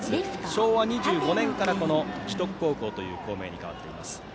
昭和２５年から樹徳高校という校名に変わっています。